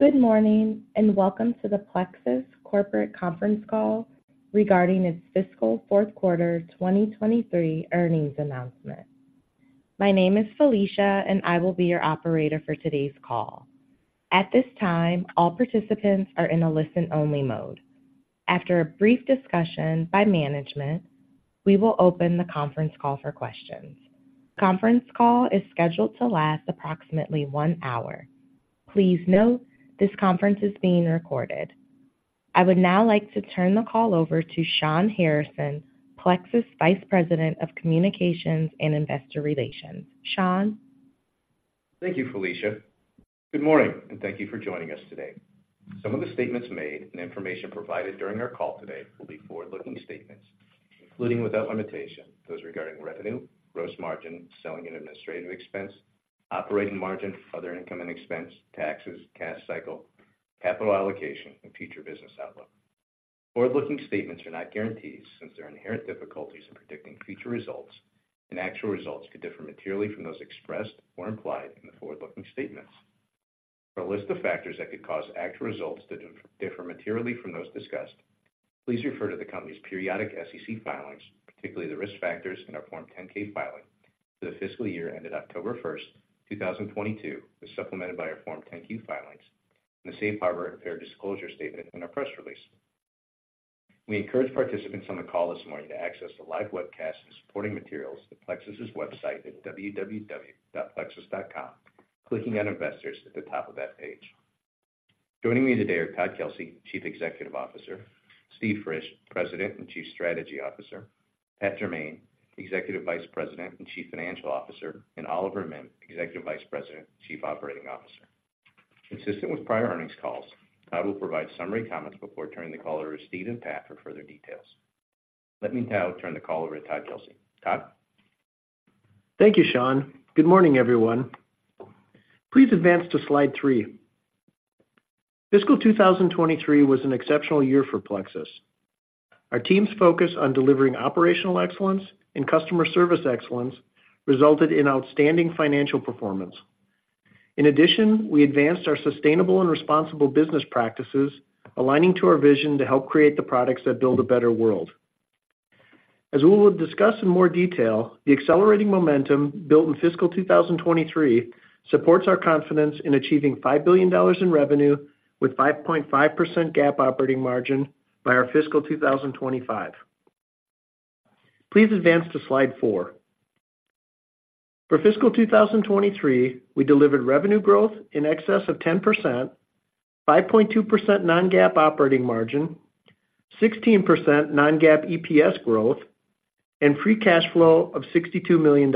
Good morning, and welcome to the Plexus Corporate Conference Call regarding its Fiscal Fourth Quarter 2023 Earnings Announcement. My name is Felicia, and I will be your operator for today's call. At this time, all participants are in a listen-only mode. After a brief discussion by management, we will open the conference call for questions. Conference call is scheduled to last approximately one hour. Please note, this conference is being recorded. I would now like to turn the call over to Shawn Harrison, Plexus Vice President of Communications and Investor Relations. Shawn? Thank you, Felicia. Good morning, and thank you for joining us today. Some of the statements made and information provided during our call today will be forward-looking statements, including, without limitation, those regarding revenue, gross margin, selling and administrative expense, operating margin, other income and expense, taxes, cash cycle, capital allocation, and future business outlook. Forward-looking statements are not guarantees since there are inherent difficulties in predicting future results, and actual results could differ materially from those expressed or implied in the forward-looking statements. For a list of factors that could cause actual results to differ materially from those discussed, please refer to the company's periodic SEC filings, particularly the Risk Factors in our Form 10-K filing for the fiscal year ended 1 October 2022, as supplemented by our Form 10-Q filings, and the Safe Harbor and Fair Disclosure statement in our press release. We encourage participants on the call this morning to access the live webcast and supporting materials at Plexus's website at www.plexus.com, clicking on Investors at the top of that page. Joining me today are Todd Kelsey, Chief Executive Officer; Steve Frisch, President and Chief Strategy Officer; Pat Jermain, Executive Vice President and Chief Financial Officer; and Oliver Mihm, Executive Vice President and Chief Operating Officer. Consistent with prior earnings calls, I will provide summary comments before turning the call over to Steve and Pat for further details. Let me now turn the call over to Todd Kelsey. Todd? Thank you, Shawn. Good morning, everyone. Please advance to slide three. Fiscal 2023 was an exceptional year for Plexus. Our team's focus on delivering operational excellence and customer service excellence resulted in outstanding financial performance. In addition, we advanced our sustainable and responsible business practices, aligning to our vision to help create the products that build a better world. As we will discuss in more detail, the accelerating momentum built in fiscal 2023 supports our confidence in achieving $5 billion in revenue with 5.5% GAAP operating margin by our fiscal 2025. Please advance to slide four. For fiscal 2023, we delivered revenue growth in excess of 10%, 5.2% non-GAAP operating margin, 16% non-GAAP EPS growth, and free cash flow of $62 million.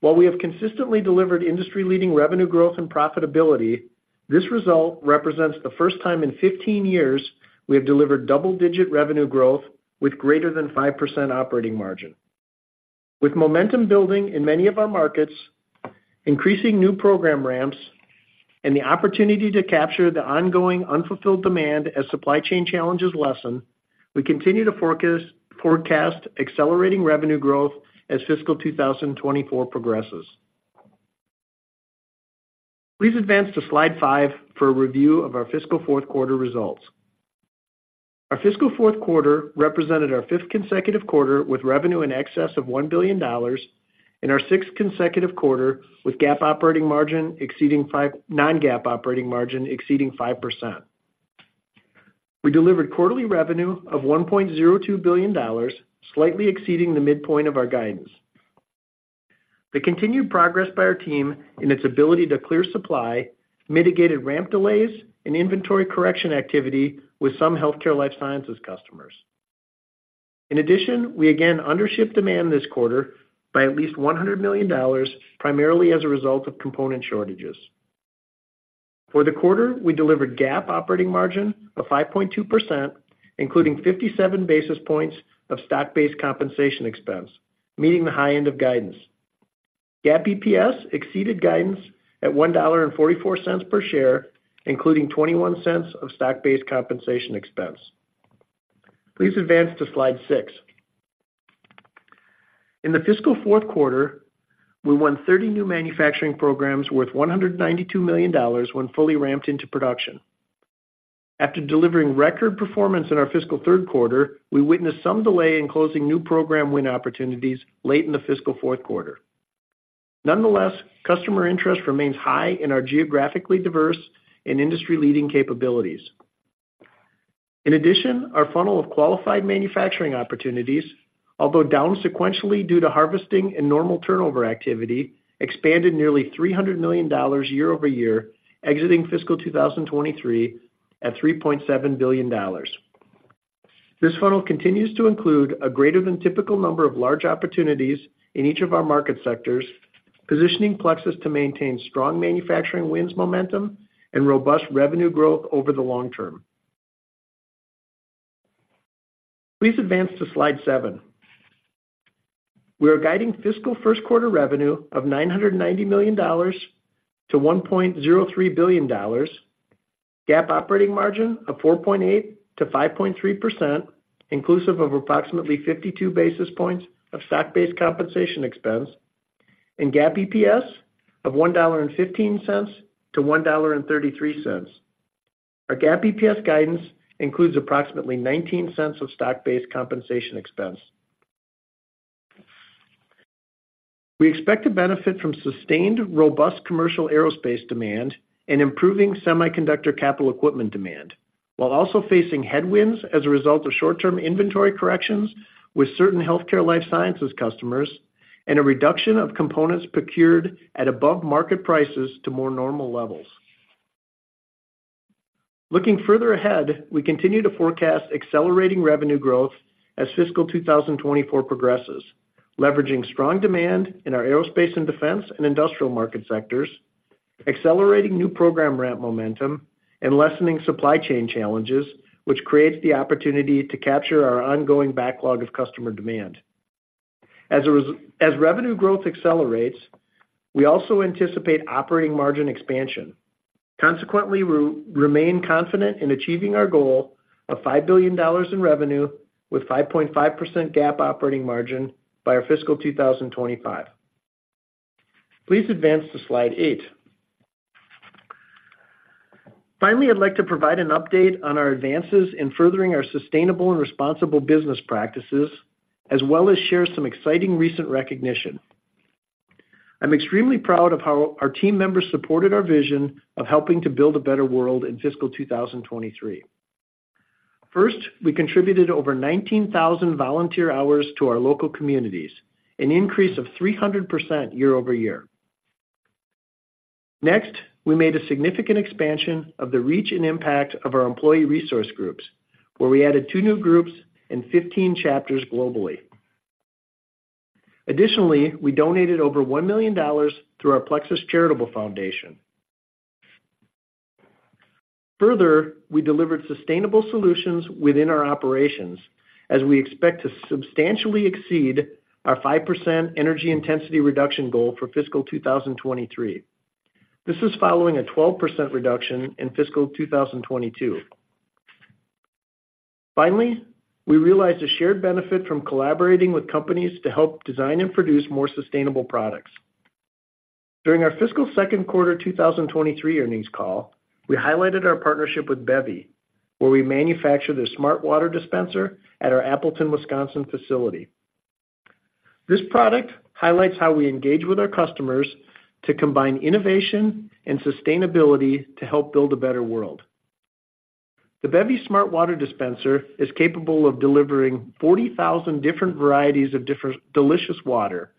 While we have consistently delivered industry-leading revenue growth and profitability, this result represents the first time in 15 years we have delivered double-digit revenue growth with greater than 5% operating margin. With momentum building in many of our markets, increasing new program ramps, and the opportunity to capture the ongoing unfulfilled demand as supply chain challenges lessen, we continue to forecast accelerating revenue growth as fiscal 2024 progresses. Please advance to slide five for a review of our fiscal fourth quarter results. Our fiscal fourth quarter represented our fifth consecutive quarter, with revenue in excess of $1 billion, and our sixth consecutive quarter, with GAAP operating margin exceeding 5%, non-GAAP operating margin exceeding 5%. We delivered quarterly revenue of $1.02 billion, slightly exceeding the midpoint of our guidance. The continued progress by our team and its ability to clear supply, mitigated ramp delays and inventory correction activity with some healthcare life sciences customers. In addition, we again undershipped demand this quarter by at least $100 million, primarily as a result of component shortages. For the quarter, we delivered GAAP operating margin of 5.2%, including 57 basis points of stock-based compensation expense, meeting the high end of guidance. GAAP EPS exceeded guidance at $1.44 per share, including $0.21 of stock-based compensation expense. Please advance to slide six. In the fiscal fourth quarter, we won 30 new manufacturing programs worth $192 million when fully ramped into production. After delivering record performance in our fiscal third quarter, we witnessed some delay in closing new program win opportunities late in the fiscal fourth quarter. Nonetheless, customer interest remains high in our geographically diverse and industry-leading capabilities. In addition, our funnel of qualified manufacturing opportunities, although down sequentially due to harvesting and normal turnover activity, expanded nearly $300 million year-over-year, exiting fiscal 2023 at $3.7 billion. This funnel continues to include a greater than typical number of large opportunities in each of our market sectors, positioning Plexus to maintain strong manufacturing wins momentum and robust revenue growth over the long term. Please advance to slide seven. We are guiding fiscal first quarter revenue of $990 million to $1.03 billion, GAAP operating margin of 4.8%-5.3%, inclusive of approximately 52 basis points of stock-based compensation expense, and GAAP EPS of $1.15-$1.33. Our GAAP EPS guidance includes approximately $0.19 of stock-based compensation expense. We expect to benefit from sustained, robust commercial aerospace demand and improving semiconductor capital equipment demand, while also facing headwinds as a result of short-term inventory corrections with certain healthcare life sciences customers and a reduction of components procured at above-market prices to more normal levels. Looking further ahead, we continue to forecast accelerating revenue growth as fiscal 2024 progresses, leveraging strong demand in our aerospace and defense and industrial market sectors, accelerating new program ramp momentum, and lessening supply chain challenges, which creates the opportunity to capture our ongoing backlog of customer demand. As revenue growth accelerates, we also anticipate operating margin expansion. Consequently, we remain confident in achieving our goal of $5 billion in revenue with 5.5% GAAP operating margin by our fiscal 2025. Please advance to slide eight. Finally, I'd like to provide an update on our advances in furthering our sustainable and responsible business practices, as well as share some exciting recent recognition. I'm extremely proud of how our team members supported our vision of helping to build a better world in fiscal 2023. First, we contributed over 19,000 volunteer hours to our local communities, an increase of 300% year-over-year. Next, we made a significant expansion of the reach and impact of our employee resource groups, where we added two new groups and 15 chapters globally. Additionally, we donated over $1 million through our Plexus Charitable Foundation. Further, we delivered sustainable solutions within our operations as we expect to substantially exceed our 5% energy intensity reduction goal for fiscal 2023. This is following a 12% reduction in fiscal 2022. Finally, we realized a shared benefit from collaborating with companies to help design and produce more sustainable products. During our fiscal second quarter 2023 earnings call, we highlighted our partnership with Bevi, where we manufacture their smart water dispenser at our Appleton, Wisconsin, facility. This product highlights how we engage with our customers to combine innovation and sustainability to help build a better world. The Bevi smart water dispenser is capable of delivering 40,000 different varieties of delicious water,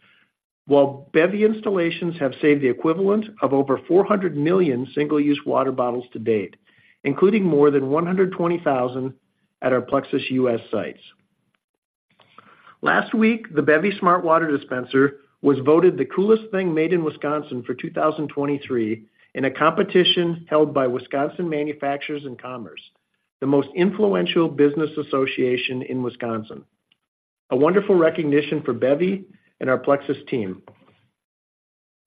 while Bevi installations have saved the equivalent of over 400 million single-use water bottles to date, including more than 120,000 at our Plexus US sites. Last week, the Bevi smart water dispenser was voted the Coolest Thing Made in Wisconsin for 2023, in a competition held by Wisconsin Manufacturers and Commerce, the most influential business association in Wisconsin. A wonderful recognition for Bevi and our Plexus team.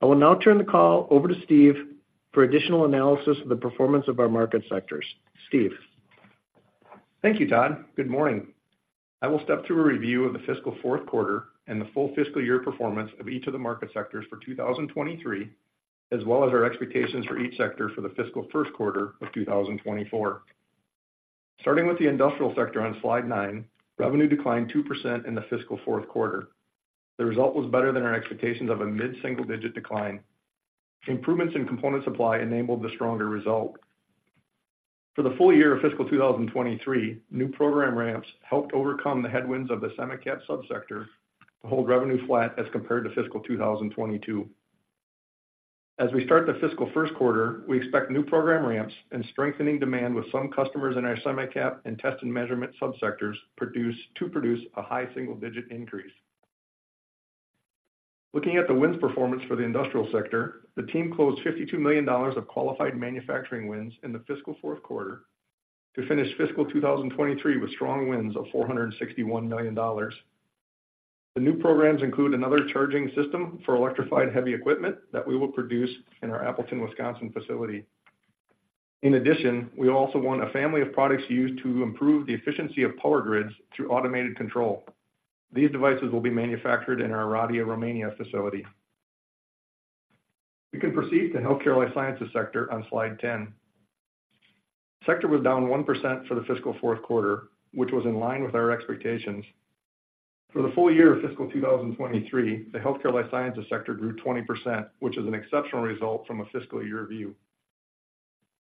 I will now turn the call over to Steve for additional analysis of the performance of our market sectors. Steve? Thank you, Todd. Good morning. I will step through a review of the fiscal fourth quarter and the full fiscal year performance of each of the market sectors for 2023, as well as our expectations for each sector for the fiscal first quarter of 2024. Starting with the industrial sector on slide nine, revenue declined 2% in the fiscal fourth quarter. The result was better than our expectations of a mid-single-digit decline. Improvements in component supply enabled the stronger result. For the full year of fiscal 2023, new program ramps helped overcome the headwinds of the semi-cap subsector to hold revenue flat as compared to fiscal 2022. As we start the fiscal first quarter, we expect new program ramps and strengthening demand with some customers in our semi-cap and test and measurement subsectors to produce a high single-digit increase. Looking at the wins performance for the industrial sector, the team closed $52 million of qualified manufacturing wins in the fiscal fourth quarter to finish fiscal 2023 with strong wins of $461 million. The new programs include another charging system for electrified heavy equipment that we will produce in our Appleton, Wisconsin, facility. In addition, we also won a family of products used to improve the efficiency of power grids through automated control. These devices will be manufactured in our Oradea, Romania, facility. We can proceed to healthcare life sciences sector on slide 10. Sector was down 1% for the fiscal fourth quarter, which was in line with our expectations. For the full year of fiscal 2023, the healthcare life sciences sector grew 20%, which is an exceptional result from a fiscal year view.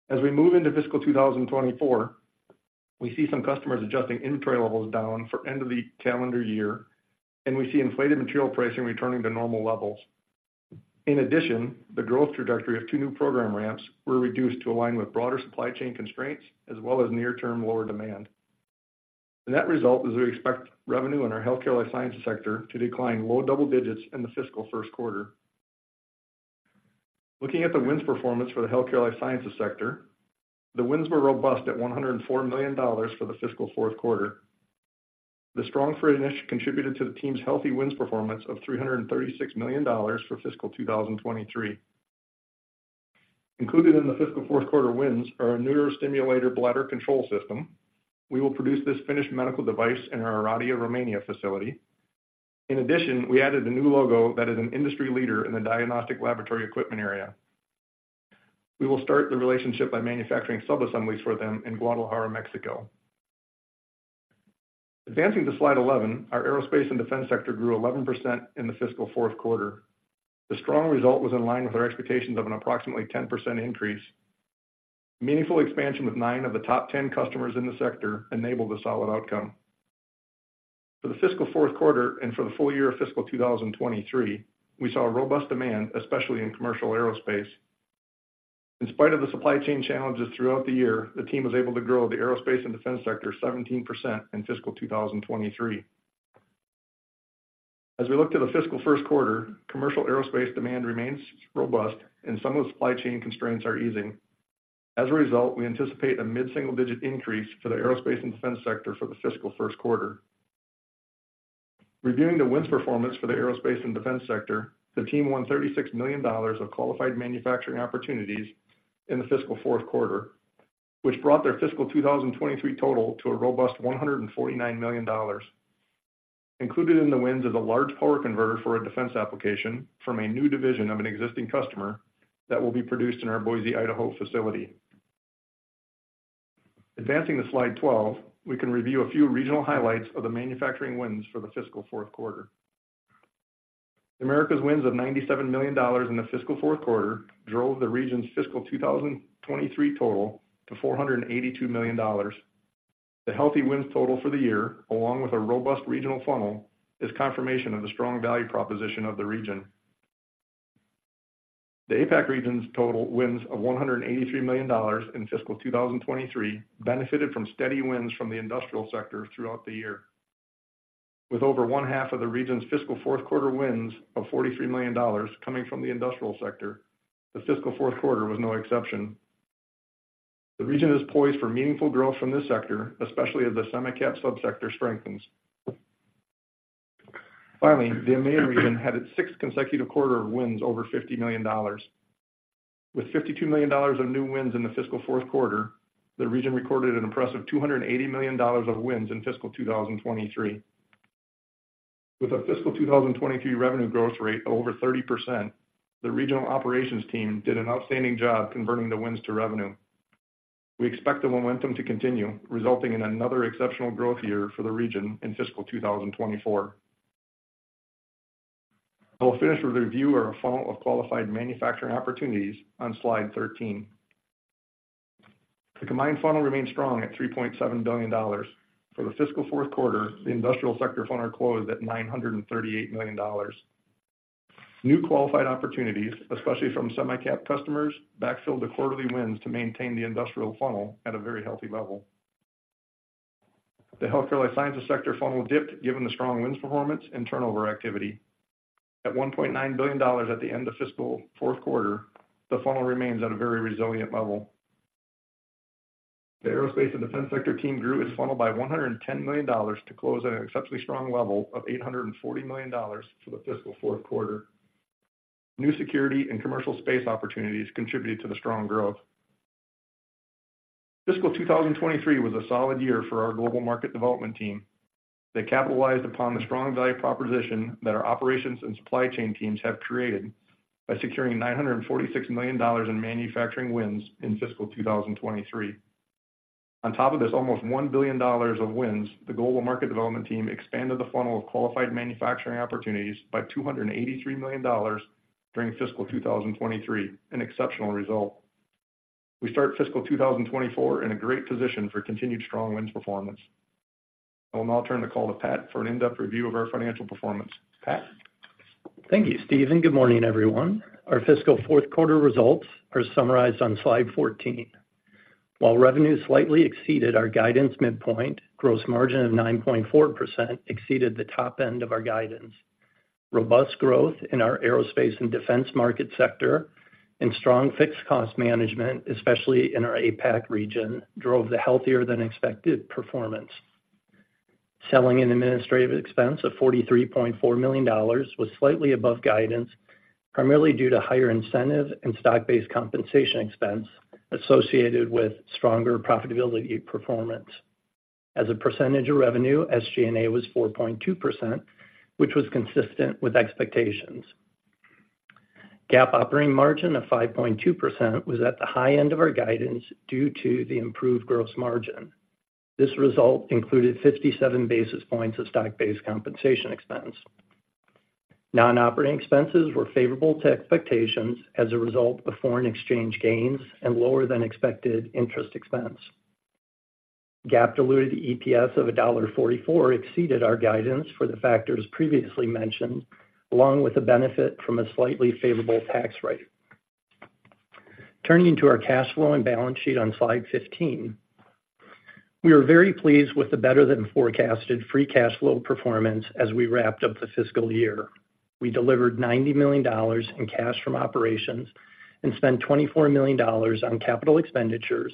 As we move into fiscal 2024, we see some customers adjusting inventory levels down for end of the calendar year, and we see inflated material pricing returning to normal levels. In addition, the growth trajectory of two new program ramps were reduced to align with broader supply chain constraints, as well as near-term lower demand. The net result is we expect revenue in our healthcare life sciences sector to decline low double digits in the fiscal first quarter. Looking at the wins performance for the healthcare life sciences sector, the wins were robust at $104 million for the fiscal fourth quarter. The strong finish contributed to the team's healthy wins performance of $336 million for fiscal 2023. Included in the fiscal fourth quarter wins are a neurostimulator bladder control system. We will produce this finished medical device in our Oradea, Romania facility. In addition, we added a new logo that is an industry leader in the diagnostic laboratory equipment area. We will start the relationship by manufacturing sub assemblies for them in Guadalajara, Mexico. Advancing to slide 11, our aerospace and defense sector grew 11% in the fiscal fourth quarter. The strong result was in line with our expectations of an approximately 10% increase. Meaningful expansion with nine of the top ten customers in the sector enabled a solid outcome. For the fiscal fourth quarter and for the full year of fiscal 2023, we saw a robust demand, especially in commercial aerospace. In spite of the supply chain challenges throughout the year, the team was able to grow the aerospace and defense sector 17% in fiscal 2023. As we look to the fiscal first quarter, commercial aerospace demand remains robust and some of the supply chain constraints are easing. As a result, we anticipate a mid-single-digit increase for the aerospace and defense sector for the fiscal first quarter. Reviewing the wins performance for the aerospace and defense sector, the team won $36 million of qualified manufacturing opportunities in the fiscal fourth quarter, which brought their fiscal 2023 total to a robust $149 million. Included in the wins is a large power converter for a defense application from a new division of an existing customer that will be produced in our Boise, Idaho, facility. Advancing to slide 12, we can review a few regional highlights of the manufacturing wins for the fiscal fourth quarter. Americas wins of $97 million in the fiscal fourth quarter drove the region's fiscal 2023 total to $482 million. The healthy wins total for the year, along with a robust regional funnel, is confirmation of the strong value proposition of the region. The APAC region's total wins of $183 million in fiscal 2023 benefited from steady wins from the industrial sector throughout the year. With over one half of the region's fiscal fourth quarter wins of $43 million coming from the industrial sector, the fiscal fourth quarter was no exception. The region is poised for meaningful growth from this sector, especially as the semi-cap subsector strengthens. Finally, the EMEA region had its sixth consecutive quarter of wins over $50 million. With $52 million of new wins in the fiscal fourth quarter, the region recorded an impressive $280 million of wins in fiscal 2023. With a fiscal 2023 revenue growth rate of over 30%, the regional operations team did an outstanding job converting the wins to revenue. We expect the momentum to continue, resulting in another exceptional growth year for the region in fiscal 2024. I will finish with a review of our funnel of qualified manufacturing opportunities on slide 13. The combined funnel remains strong at $3.7 billion. For the fiscal fourth quarter, the industrial sector funnel closed at $938 million. New qualified opportunities, especially from semi-cap customers, backfilled the quarterly wins to maintain the industrial funnel at a very healthy level. The healthcare life sciences sector funnel dipped given the strong wins, performance, and turnover activity. At $1.9 billion at the end of fiscal fourth quarter, the funnel remains at a very resilient level. The aerospace and defense sector team grew its funnel by $110 million to close at an exceptionally strong level of $840 million for the fiscal fourth quarter. New security and commercial space opportunities contributed to the strong growth. Fiscal 2023 was a solid year for our global market development team. They capitalized upon the strong value proposition that our operations and supply chain teams have created by securing $946 million in manufacturing wins in fiscal 2023. On top of this, almost $1 billion of wins, the global market development team expanded the funnel of qualified manufacturing opportunities by $283 million during fiscal 2023, an exceptional result. We start fiscal 2024 in a great position for continued strong wins performance. I will now turn the call to Pat for an in-depth review of our financial performance. Pat? Thank you, Steve, and good morning, everyone. Our fiscal fourth quarter results are summarized on slide 14. While revenue slightly exceeded our guidance midpoint, gross margin of 9.4% exceeded the top end of our guidance. Robust growth in our aerospace and defense market sector and strong fixed cost management, especially in our APAC region, drove the healthier than expected performance. Selling and administrative expense of $43.4 million was slightly above guidance, primarily due to higher incentive and stock-based compensation expense associated with stronger profitability performance. As a percentage of revenue, SG&A was 4.2%, which was consistent with expectations. GAAP operating margin of 5.2% was at the high end of our guidance due to the improved gross margin. This result included 57 basis points of stock-based compensation expense. Non-operating expenses were favorable to expectations as a result of foreign exchange gains and lower than expected interest expense. GAAP diluted EPS of $1.44 exceeded our guidance for the factors previously mentioned, along with the benefit from a slightly favorable tax rate. Turning to our cash flow and balance sheet on slide 15, we are very pleased with the better than forecasted free cash flow performance as we wrapped up the fiscal year. We delivered $90 million in cash from operations and spent $24 million on capital expenditures,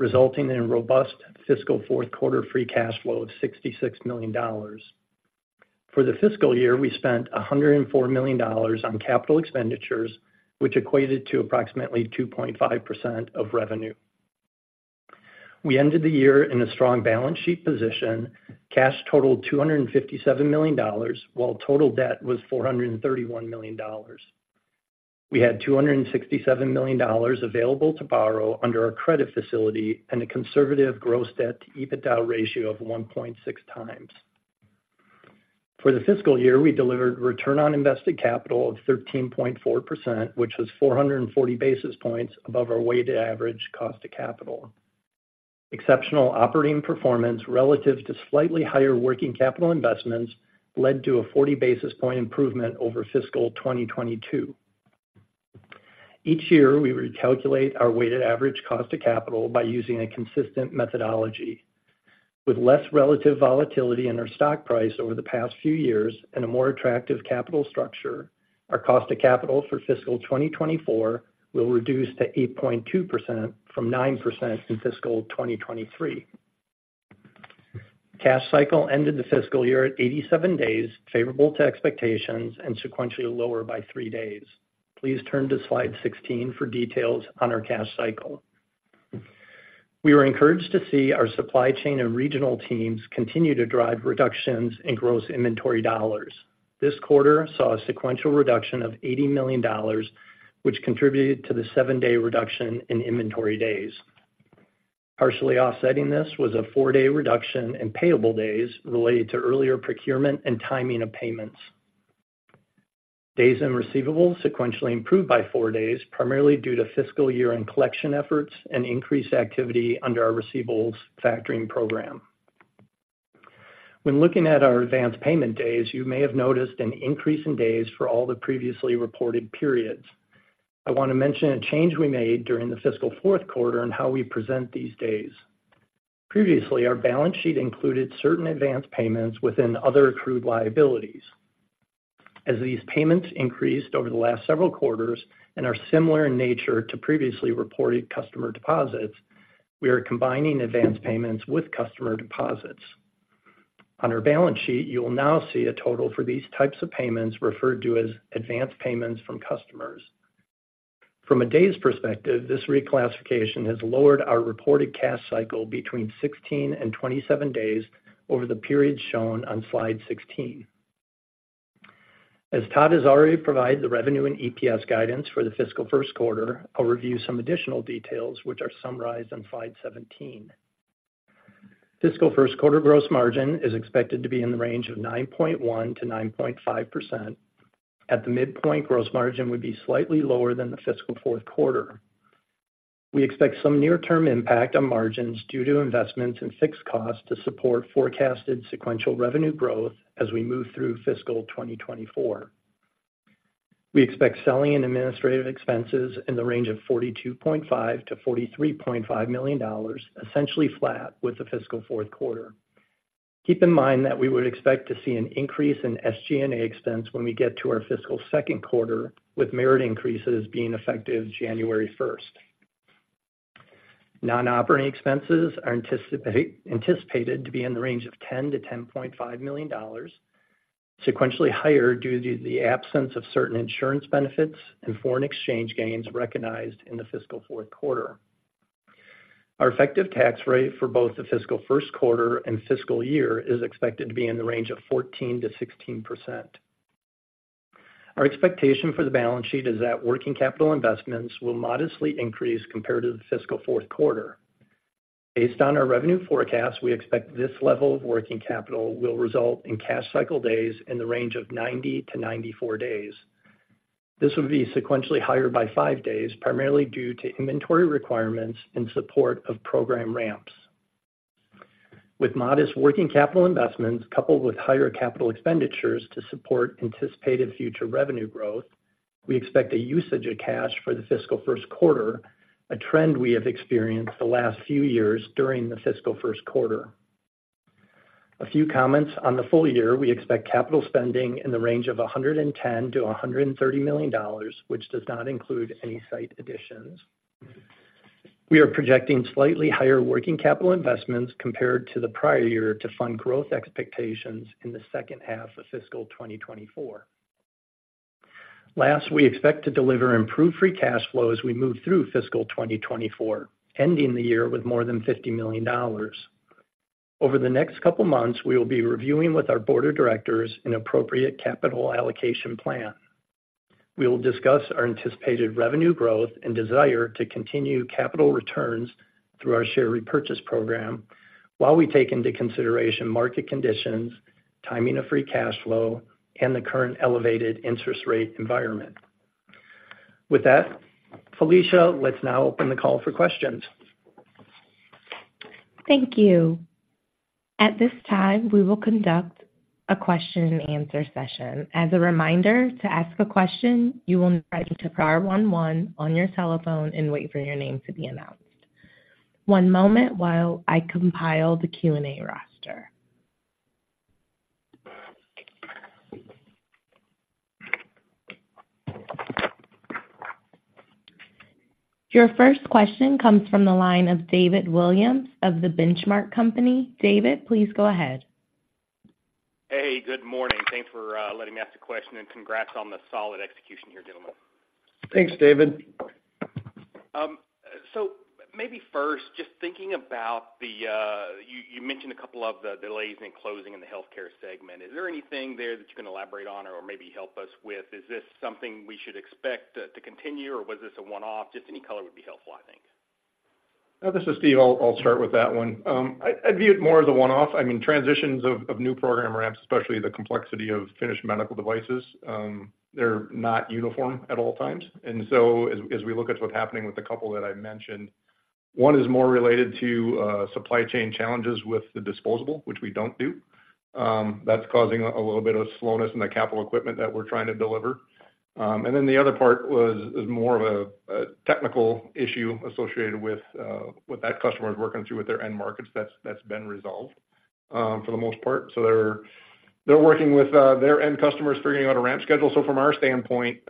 resulting in a robust fiscal fourth quarter free cash flow of $66 million. For the fiscal year, we spent $104 million on capital expenditures, which equated to approximately 2.5% of revenue. We ended the year in a strong balance sheet position. Cash totaled $257 million, while total debt was $431 million. We had $267 million available to borrow under our credit facility and a conservative gross debt to EBITDA ratio of 1.6x. For the fiscal year, we delivered return on invested capital of 13.4%, which was 440 basis points above our weighted average cost of capital. Exceptional operating performance relative to slightly higher working capital investments led to a 40 basis point improvement over fiscal 2022. Each year, we recalculate our weighted average cost of capital by using a consistent methodology. With less relative volatility in our stock price over the past few years and a more attractive capital structure, our cost of capital for fiscal 2024 will reduce to 8.2% from 9% in fiscal 2023. Cash cycle ended the fiscal year at 87 days, favorable to expectations and sequentially lower by three days. Please turn to slide 16 for details on our cash cycle. We were encouraged to see our supply chain and regional teams continue to drive reductions in gross inventory dollars. This quarter saw a sequential reduction of $80 million, which contributed to the seven day reduction in inventory days. Partially offsetting this was a four day reduction in payable days related to earlier procurement and timing of payments. Days and receivables sequentially improved by four days, primarily due to fiscal year-end collection efforts and increased activity under our receivables factoring program. When looking at our advanced payment days, you may have noticed an increase in days for all the previously reported periods. I want to mention a change we made during the fiscal fourth quarter on how we present these days. Previously, our balance sheet included certain advanced payments within other accrued liabilities. As these payments increased over the last several quarters and are similar in nature to previously reported customer deposits, we are combining advanced payments with customer deposits. On our balance sheet, you will now see a total for these types of payments referred to as advanced payments from customers. From a days perspective, this reclassification has lowered our reported cash cycle between 16 and 27 days over the periods shown on slide 16. As Todd has already provided the revenue and EPS guidance for the fiscal first quarter, I'll review some additional details which are summarized on slide 17. Fiscal first quarter gross margin is expected to be in the range of 9.1%-9.5%. At the midpoint, gross margin would be slightly lower than the fiscal fourth quarter. We expect some near-term impact on margins due to investments in fixed costs to support forecasted sequential revenue growth as we move through fiscal 2024. We expect selling and administrative expenses in the range of $42.5 million to $43.5 million, essentially flat with the fiscal fourth quarter. Keep in mind that we would expect to see an increase in SG&A expense when we get to our fiscal second quarter, with merit increases being effective January first. Non-operating expenses are anticipated to be in the range of $10 million to $10.5 million, sequentially higher due to the absence of certain insurance benefits and foreign exchange gains recognized in the fiscal fourth quarter. Our effective tax rate for both the fiscal first quarter and fiscal year is expected to be in the range of 14%-16%. Our expectation for the balance sheet is that working capital investments will modestly increase compared to the fiscal fourth quarter. Based on our revenue forecast, we expect this level of working capital will result in cash cycle days in the range of 90-94 days. This would be sequentially higher by five days, primarily due to inventory requirements in support of program ramps. With modest working capital investments, coupled with higher capital expenditures to support anticipated future revenue growth, we expect a usage of cash for the fiscal first quarter, a trend we have experienced the last few years during the fiscal first quarter. A few comments on the full year. We expect capital spending in the range of $110 million to $130 million, which does not include any site additions. We are projecting slightly higher working capital investments compared to the prior year to fund growth expectations in the second half of fiscal 2024. Last, we expect to deliver improved free cash flow as we move through fiscal 2024, ending the year with more than $50 million. Over the next couple months, we will be reviewing with our board of directors an appropriate capital allocation plan. We will discuss our anticipated revenue growth and desire to continue capital returns through our share repurchase program while we take into consideration market conditions, timing of free cash flow, and the current elevated interest rate environment. With that, Felicia, let's now open the call for questions. Thank you. At this time, we will conduct a question-and-answer session. As a reminder, to ask a question, you will need to press star one one on your telephone and wait for your name to be announced. One moment while I compile the Q&A roster. Your first question comes from the line of David Williams of The Benchmark Company. David, please go ahead. Hey, good morning. Thanks for letting me ask a question, and congrats on the solid execution here, gentlemen. Thanks, David. So maybe first, just thinking about the, you, you mentioned a couple of the delays in closing in the healthcare segment. Is there anything there that you can elaborate on or maybe help us with? Is this something we should expect to continue, or was this a one-off? Just any color would be helpful, I think. This is Steve. I'll, I'll start with that one. I'd view it more as a one-off. I mean, transitions of new program ramps, especially the complexity of finished medical devices, they're not uniform at all times. And so as we look at what's happening with the couple that I mentioned, one is more related to supply chain challenges with the disposable, which we don't do. That's causing a little bit of slowness in the capital equipment that we're trying to deliver. And then the other part was, is more of a technical issue associated with what that customer is working through with their end markets. That's been resolved for the most part. So they're working with their end customers, figuring out a ramp schedule. So from our standpoint,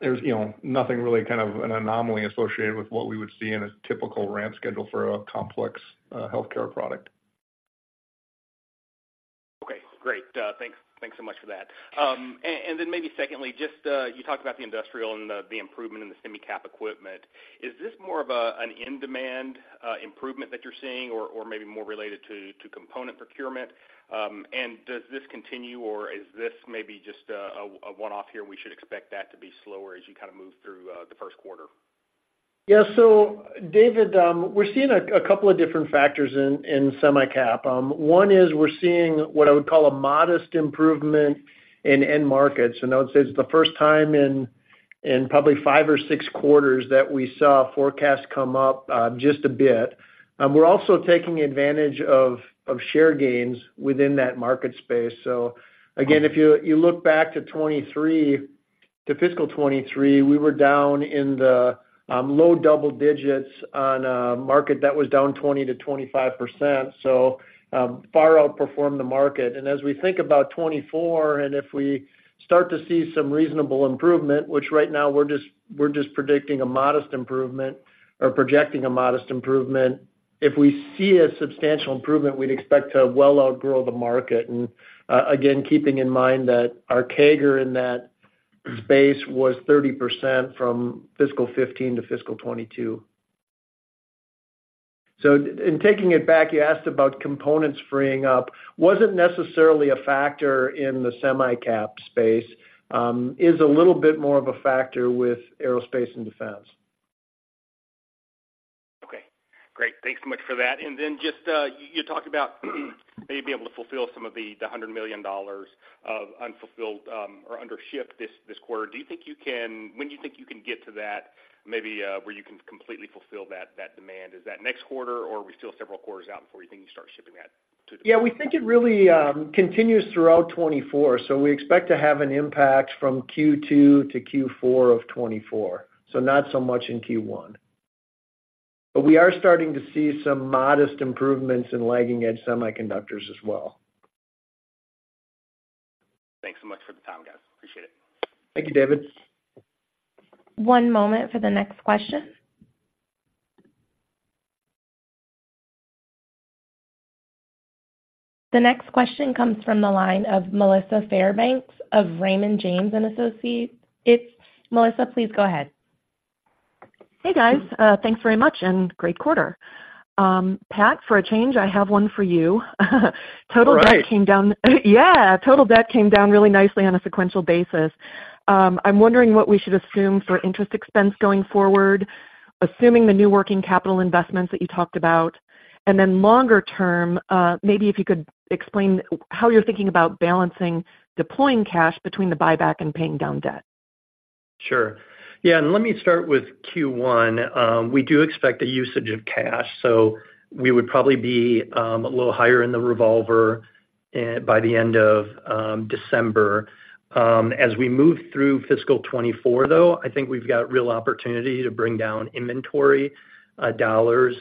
there's, you know, nothing really kind of an anomaly associated with what we would see in a typical ramp schedule for a complex healthcare product. Okay, great. Thanks, thanks so much for that. And then maybe secondly, just, you talked about the industrial and the improvement in the semi-cap equipment. Is this more of an in-demand improvement that you're seeing or maybe more related to component procurement? And does this continue or is this maybe just a one-off here, we should expect that to be slower as you kinda move through the first quarter? Yeah. So David, we're seeing a couple of different factors in semi-cap. One is we're seeing what I would call a modest improvement in end markets. And I would say it's the first time in probably five or six quarters that we saw forecasts come up just a bit. We're also taking advantage of share gains within that market space. So again, if you look back to 2023, to fiscal 2023, we were down in the low double digits on a market that was down 20%-25%, so far outperformed the market. And as we think about 2024, and if we start to see some reasonable improvement, which right now we're just predicting a modest improvement or projecting a modest improvement. If we see a substantial improvement, we'd expect to well outgrow the market. Again, keeping in mind that our CAGR in that space was 30% from fiscal 2015 to fiscal 2022. So in taking it back, you asked about components freeing up. Wasn't necessarily a factor in the semi-cap space. Is a little bit more of a factor with aerospace and defense. Okay, great. Thanks so much for that. And then just, you talked about, maybe being able to fulfill some of the, the $100 million of unfulfilled, or undershipped this, this quarter. Do you think you can when do you think you can get to that, maybe, where you can completely fulfill that, that demand? Is that next quarter, or are we still several quarters out before you think you start shipping that to the Yeah, we think it really continues throughout 2024, so we expect to have an impact from Q2 to Q4 of 2024. So not so much in Q1. But we are starting to see some modest improvements in lagging edge semiconductors as well. Thanks so much for the time, guys. Appreciate it. Thank you, David. One moment for the next question. The next question comes from the line of Melissa Fairbanks of Raymond James and Associates. It's Melissa, please go ahead. Hey, guys. Thanks very much and great quarter. Pat, for a change, I have one for you. All right. Total debt came down. Yeah, total debt came down really nicely on a sequential basis. I'm wondering what we should assume for interest expense going forward, assuming the new working capital investments that you talked about. And then longer term, maybe if you could explain how you're thinking about balancing deploying cash between the buyback and paying down debt. Sure. Yeah, and let me start with Q1. We do expect a usage of cash, so we would probably be a little higher in the revolver by the end of December. As we move through fiscal 2024, though, I think we've got real opportunity to bring down inventory dollars,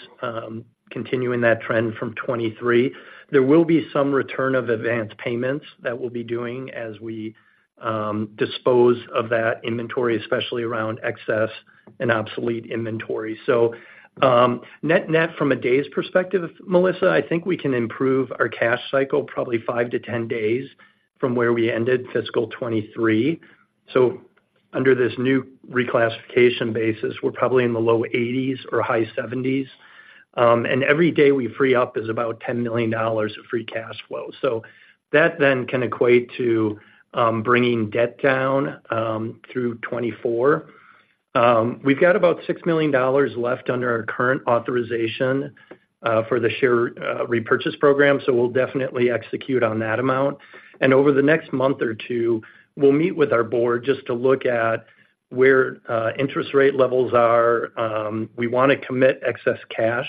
continuing that trend from 2023. There will be some return of advanced payments that we'll be doing as we dispose of that inventory, especially around excess and obsolete inventory. So, net-net, from a days perspective, Melissa, I think we can improve our cash cycle probably five to 10 days from where we ended fiscal 2023. So under this new reclassification basis, we're probably in the low 80s or high 70s. And every day we free up is about $10 million of free cash flow. So that then can equate to bringing debt down through 2024. We've got about $6 million left under our current authorization for the share repurchase program, so we'll definitely execute on that amount. And over the next month or two, we'll meet with our board just to look at where interest rate levels are. We wanna commit excess cash.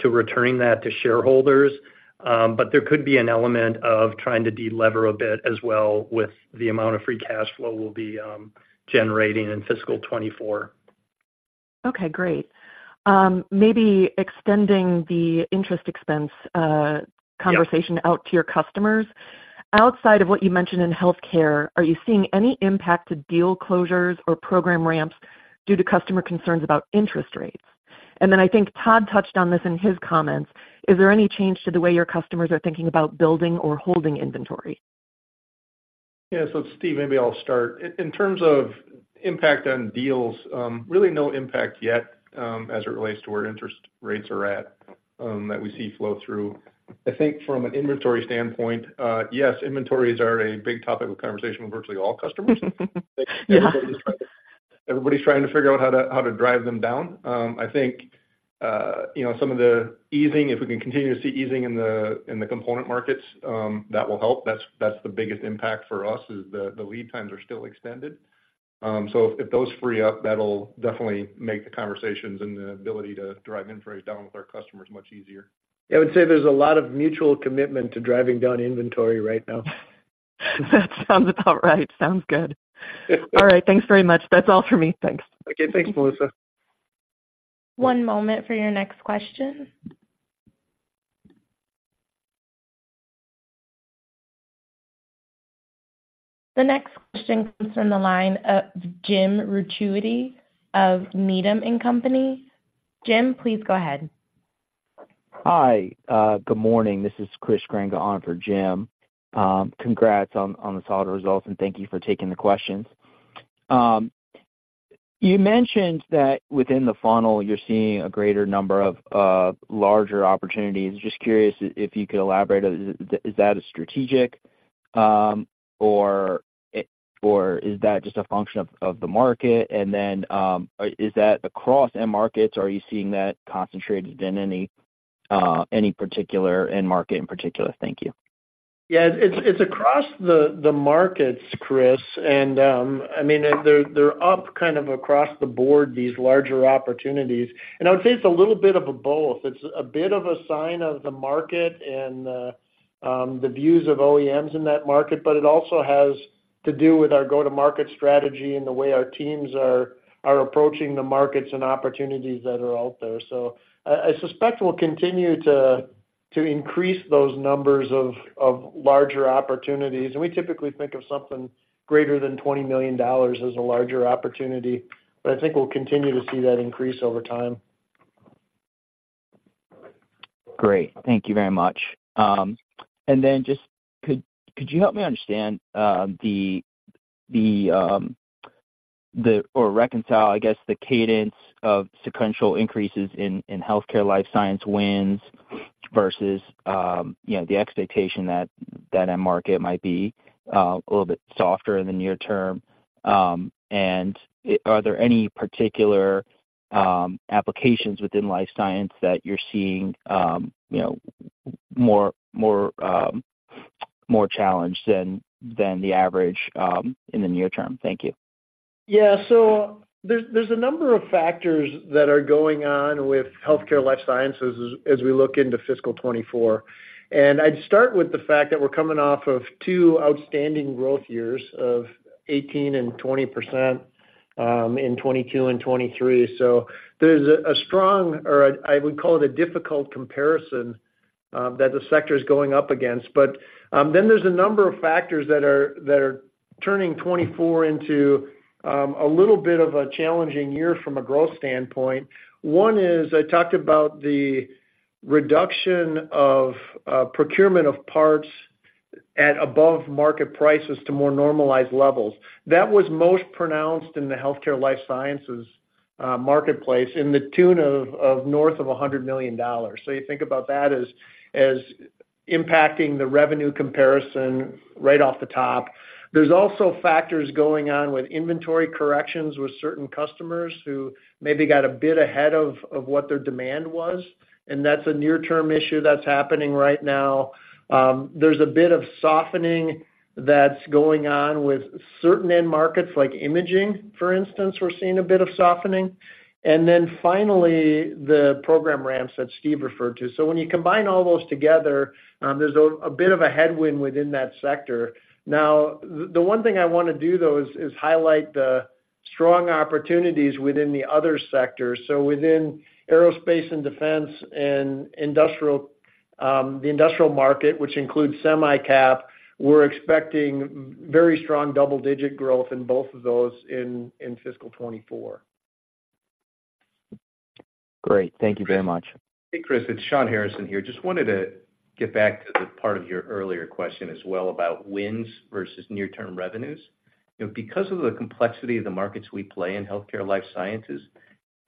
To returning that to shareholders. But there could be an element of trying to delever a bit as well with the amount of free cash flow we'll be generating in fiscal 2024. Okay, great. Maybe extending the interest expense, Yeah conversation out to your customers. Outside of what you mentioned in healthcare, are you seeing any impact to deal closures or program ramps due to customer concerns about interest rates? And then I think Todd touched on this in his comments: Is there any change to the way your customers are thinking about building or holding inventory? Yeah. So Steve, maybe I'll start. In terms of impact on deals, really no impact yet, as it relates to where interest rates are at, that we see flow through. I think from an inventory standpoint, yes, inventories are a big topic of conversation with virtually all customers. Everybody's trying to, everybody's trying to figure out how to, how to drive them down. I think, you know, some of the easing, if we can continue to see easing in the component markets, that will help. That's, that's the biggest impact for us, is the lead times are still extended. So if those free up, that'll definitely make the conversations and the ability to drive inventories down with our customers much easier. I would say there's a lot of mutual commitment to driving down inventory right now. That sounds about right. Sounds good. All right. Thanks very much. That's all for me. Thanks. Okay. Thanks, Melissa. One moment for your next question. The next question comes from the line of Jim Ricchiuti of Needham & Company. Jim, please go ahead. Hi, good morning. This is Chris Grenga on for Jim. Congrats on the solid results, and thank you for taking the questions. You mentioned that within the funnel, you're seeing a greater number of larger opportunities. Just curious if you could elaborate, is that a strategic, or is that just a function of the market? And then, is that across end markets, or are you seeing that concentrated in any particular end market in particular? Thank you. Yeah, it's across the markets, Chris, and I mean, they're up kind of across the board, these larger opportunities. And I would say it's a little bit of a both. It's a bit of a sign of the market and the views of OEMs in that market, but it also has to do with our go-to-market strategy and the way our teams are approaching the markets and opportunities that are out there. So I suspect we'll continue to increase those numbers of larger opportunities, and we typically think of something greater than $20 million as a larger opportunity. But I think we'll continue to see that increase over time. Great. Thank you very much. And then just could you help me understand or reconcile, I guess, the cadence of sequential increases in healthcare life science wins versus, you know, the expectation that end market might be a little bit softer in the near term? And are there any particular applications within life science that you're seeing, you know, more challenged than the average in the near term? Thank you. Yeah, so there's a number of factors that are going on with healthcare life sciences as we look into fiscal 2024. I'd start with the fact that we're coming off of two outstanding growth years of 18% and 20% in 2022 and 2023. So there's a strong, or I would call it a difficult comparison that the sector is going up against. Then there's a number of factors that are turning 2024 into a little bit of a challenging year from a growth standpoint. One is I talked about the reduction of procurement of parts at above market prices to more normalized levels. That was most pronounced in the healthcare life sciences marketplace, in the tune of north of $100 million. So you think about that as impacting the revenue comparison right off the top. There's also factors going on with inventory corrections, with certain customers who maybe got a bit ahead of what their demand was, and that's a near-term issue that's happening right now. There's a bit of softening that's going on with certain end markets, like imaging, for instance, we're seeing a bit of softening. And then finally, the program ramps that Steve referred to. So when you combine all those together, there's a bit of a headwind within that sector. Now, the one thing I wanna do, though, is highlight the strong opportunities within the other sectors. So within aerospace and defense and industrial, the industrial market, which includes semi-cap, we're expecting very strong double-digit growth in both of those in fiscal 2024. Great. Thank you very much. Hey, Chris, it's Shawn Harrison here. Just wanted to get back to the part of your earlier question as well, about wins versus near-term revenues. You know, because of the complexity of the markets we play in healthcare life sciences,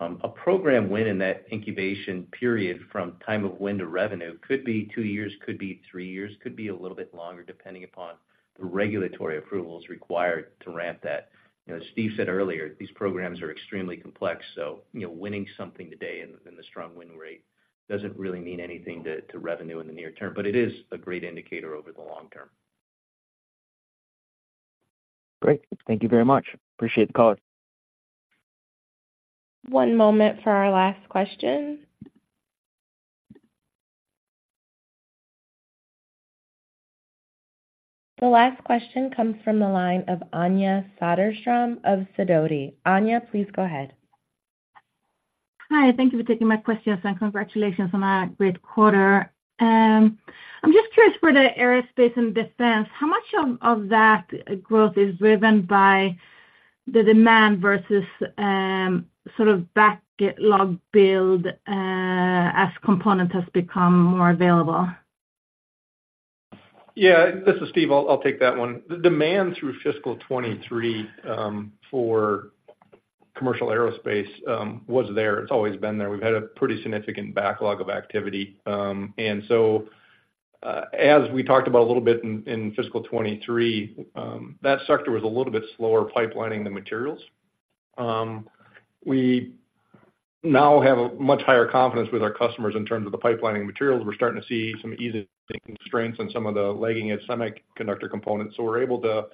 a program win in that incubation period from time of win to revenue could be two years, could be three years, could be a little bit longer, depending upon the regulatory approvals required to ramp that. You know, as Steve said earlier, these programs are extremely complex, so you know, winning something today in, in the strong win rate doesn't really mean anything to, to revenue in the near term, but it is a great indicator over the long term. Great. Thank you very much. Appreciate the call. One moment for our last question. The last question comes from the line of Anja Soderstrom of Sidoti. Anja, please go ahead. Hi, thank you for taking my questions, and congratulations on a great quarter. I'm just curious, for the aerospace and defense, how much of, of that growth is driven by the demand versus, sort of backlog build, as components has become more available? Yeah, this is Steve. I'll take that one. The demand through fiscal 2023 for commercial aerospace was there. It's always been there. We've had a pretty significant backlog of activity. And so, as we talked about a little bit in fiscal 2023, that sector was a little bit slower pipelining the materials. We now have a much higher confidence with our customers in terms of the pipelining materials. We're starting to see some easing constraints on some of the lagging semiconductor components, so we're able to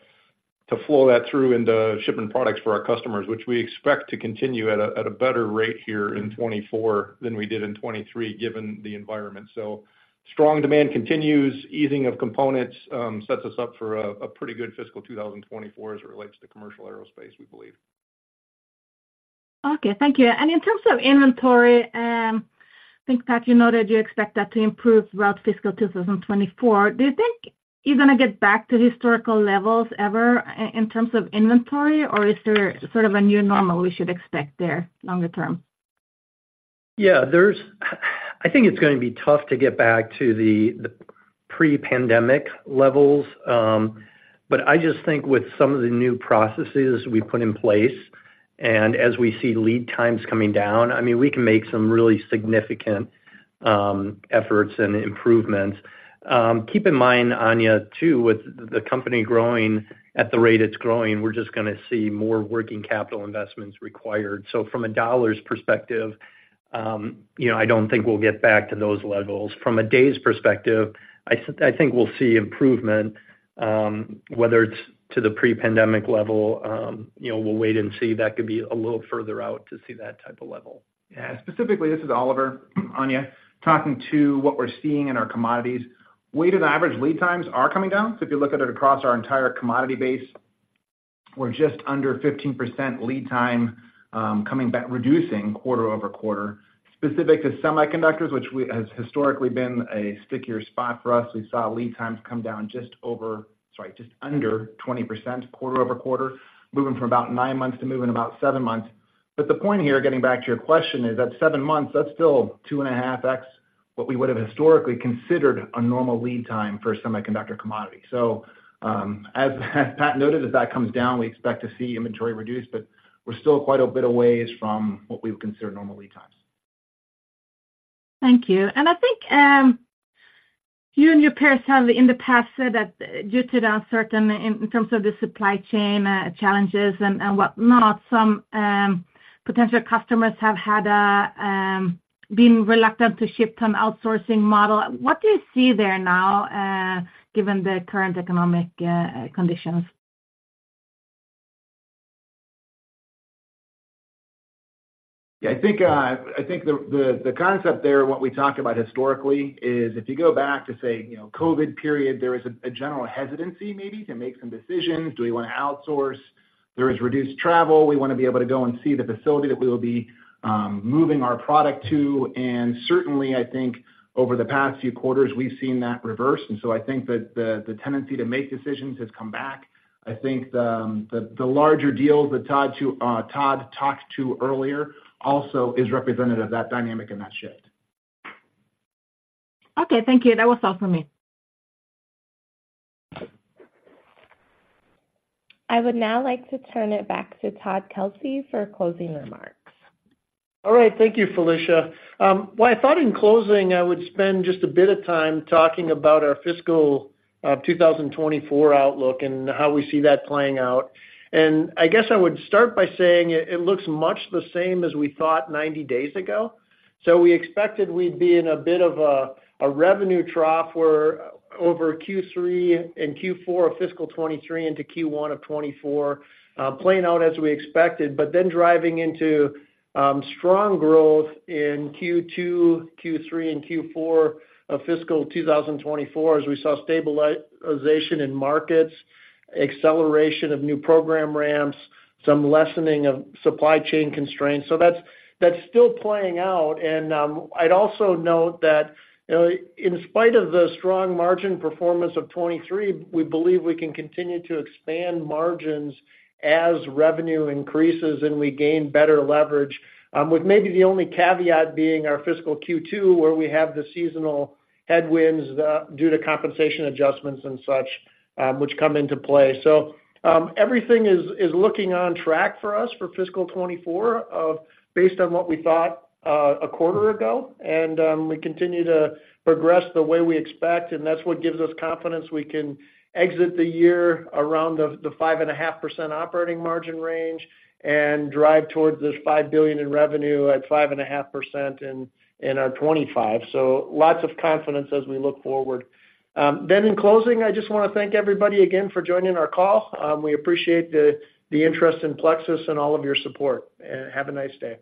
flow that through into shipping products for our customers, which we expect to continue at a better rate here in 2024 than we did in 2023, given the environment. So strong demand continues. Easing of components sets us up for a pretty good fiscal 2024 as it relates to commercial aerospace, we believe. Okay, thank you. In terms of inventory, I think, Pat, you noted you expect that to improve throughout fiscal 2024. Do you think you're gonna get back to the historical levels ever in terms of inventory, or is there sort of a new normal we should expect there longer term? Yeah, there's. I think it's gonna be tough to get back to the pre-pandemic levels. But I just think with some of the new processes we've put in place, and as we see lead times coming down, I mean, we can make some really significant efforts and improvements. Keep in mind, Anja, too, with the company growing at the rate it's growing, we're just gonna see more working capital investments required. So from a dollars perspective, you know, I don't think we'll get back to those levels. From a days perspective, I think we'll see improvement, whether it's to the pre-pandemic level, you know, we'll wait and see. That could be a little further out to see that type of level. Yeah. Specifically, this is Oliver, Anja, talking to what we're seeing in our commodities. Weighted average lead times are coming down. So if you look at it across our entire commodity base, we're just under 15% lead time, coming back reducing quarter-over-quarter. Specific to semiconductors, which has historically been a stickier spot for us, we saw lead times come down just over, sorry, just under 20% quarter-over-quarter, moving from about nine months to moving about seven months. But the point here, getting back to your question, is that seven months, that's still 2.5x what we would have historically considered a normal lead time for a semiconductor commodity. As Pat noted, as that comes down, we expect to see inventory reduce, but we're still quite a bit a ways from what we would consider normal lead times. Thank you. And I think you and your peers have in the past said that due to the uncertain in terms of the supply chain challenges and whatnot, some potential customers have had been reluctant to ship some outsourcing model. What do you see there now, given the current economic conditions? Yeah, I think the concept there, what we talked about historically, is if you go back to, say, you know, COVID period, there was a general hesitancy maybe to make some decisions. Do we wanna outsource? There is reduced travel. We wanna be able to go and see the facility that we will be moving our product to. And certainly, I think over the past few quarters, we've seen that reverse, and so I think that the tendency to make decisions has come back. I think the larger deals that Todd talked to earlier also is representative of that dynamic and that shift. Okay, thank you. That was all for me. I would now like to turn it back to Todd Kelsey for closing remarks. All right. Thank you, Felicia. Well, I thought in closing, I would spend just a bit of time talking about our fiscal 2024 outlook and how we see that playing out. I guess I would start by saying it looks much the same as we thought 90 days ago. So we expected we'd be in a bit of a revenue trough where over Q3 and Q4 of fiscal 2023 into Q1 of 2024 playing out as we expected, but then driving into strong growth in Q2, Q3, and Q4 of fiscal 2024, as we saw stabilization in markets, acceleration of new program ramps, some lessening of supply chain constraints. So that's still playing out. I'd also note that in spite of the strong margin performance of 2023, we believe we can continue to expand margins as revenue increases, and we gain better leverage. With maybe the only caveat being our fiscal Q2, where we have the seasonal headwinds due to compensation adjustments and such, which come into play. Everything is looking on track for us for fiscal 2024 based on what we thought a quarter ago, and we continue to progress the way we expect, and that's what gives us confidence we can exit the year around the 5.5% operating margin range and drive towards this $5 billion in revenue at 5.5% in our 2025. So lots of confidence as we look forward. Then in closing, I just wanna thank everybody again for joining our call. We appreciate the interest in Plexus and all of your support. Have a nice day.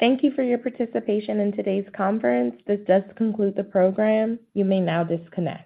Thank you for your participation in today's conference. This does conclude the program. You may now disconnect.